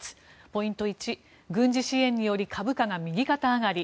ポイント１、軍事支援により株価が右肩上がり。